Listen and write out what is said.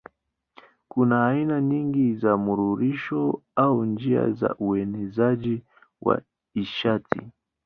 Kuna aina nyingi za mnururisho au njia za uenezaji wa nishati.